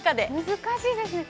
難しいですね。